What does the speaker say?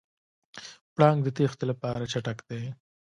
پړانګ د تېښتې لپاره چټک دی.